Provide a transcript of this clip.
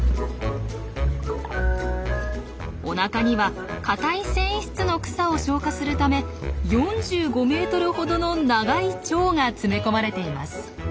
おなかには硬い繊維質の草を消化するため４５メートルほどの長い腸が詰め込まれています。